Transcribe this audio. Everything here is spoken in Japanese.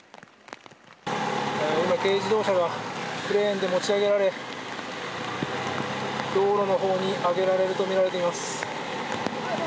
今、軽自動車がクレーンで持ち上げられ道路の方に上げられるとみられています。